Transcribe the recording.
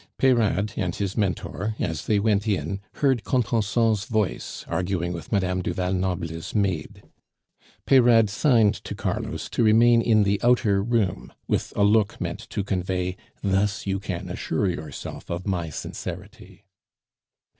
Peyrade and his Mentor, as they went in, heard Contenson's voice arguing with Madame du Val Noble's maid. Peyrade signed to Carlos to remain in the outer room, with a look meant to convey: "Thus you can assure yourself of my sincerity."